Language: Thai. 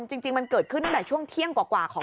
จริงมันเดินเที่ยงกว่าว่าง